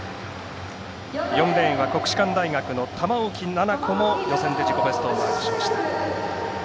４レーンの玉置菜々子も予選で自己ベストをマークしました。